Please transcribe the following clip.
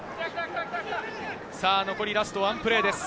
残りラストワンプレーです。